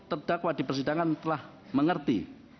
terdakwa di persidangan telah mengerti